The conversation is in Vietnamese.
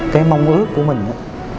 cái mong ước của mình á